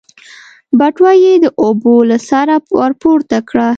بټوه يې د اوبو له سره ورپورته کړه.